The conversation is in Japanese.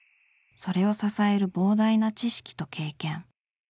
それを支える膨大な知識と経験。